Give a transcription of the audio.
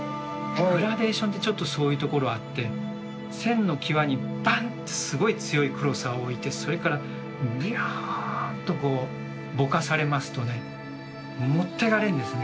グラデーションってちょっとそういうところあって線の際にバンってすごい強い黒さを置いてそれからビャンとこうぼかされますとね持ってかれんですね。